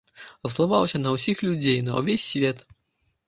Злаваўся на ўсіх людзей, на ўвесь свет.